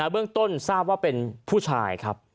เบื้องต้นทราบว่าเป็นผู้ชายครับ